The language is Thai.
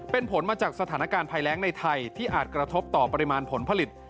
เป็นผลมาจากสถานการณ์ภัยแรงในไทยที่อาจกระทบต่อปริมาณผลผลิต